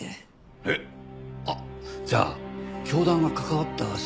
えっ？あっじゃあ教団が関わった証拠かなんか？